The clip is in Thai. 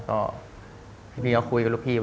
ก็พี่พี่เขาคุยกับลูกพี่